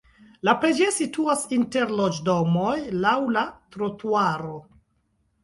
La preĝejo situas inter loĝdomoj laŭ la trotuaro.